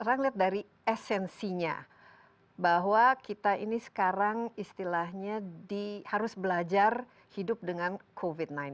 sekarang lihat dari esensinya bahwa kita ini sekarang istilahnya harus belajar hidup dengan covid sembilan belas